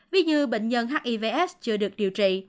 vì như bệnh nhân hivs chưa được điều trị